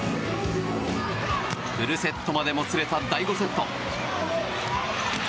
フルセットまでもつれた第５セット。